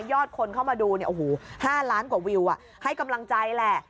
คนเข้ามาดูเนี่ยโอ้โห๕ล้านกว่าวิวให้กำลังใจแหละ